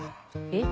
えっ？